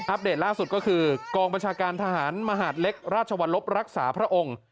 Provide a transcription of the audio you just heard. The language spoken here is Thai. เดตล่าสุดก็คือกองบัญชาการทหารมหาดเล็กราชวรลบรักษาพระองค์